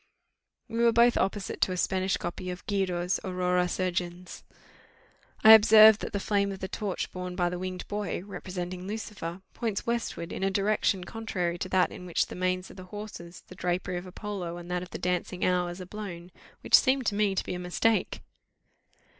We were both opposite to a Spanish copy of Guido's Aurora Surgens. I observed that the flame of the torch borne by the winged boy, representing Lucifer, points westward, in a direction contrary to that in which the manes of the horses, the drapery of Apollo, and that of the dancing Hours, are blown, which seemed to me to be a mistake.